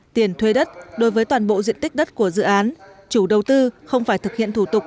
tiền thuê đất đối với toàn bộ diện tích đất của dự án chủ đầu tư không phải thực hiện thủ tục